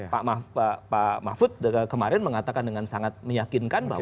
pak mahfud kemarin mengatakan dengan sangat meyakinkan bahwa